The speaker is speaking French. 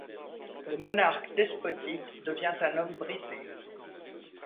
Le monarque despotique devient un homme brisé.